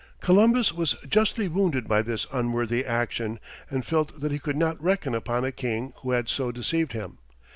Columbus was justly wounded by this unworthy action, and felt that he could not reckon upon a king who had so deceived him.